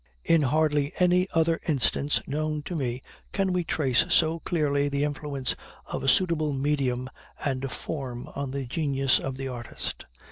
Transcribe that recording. In hardly any other instance known to me can we trace so clearly the influence of a suitable medium and form on the genius of the artist.